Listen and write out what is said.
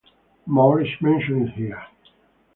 More is mentioned here.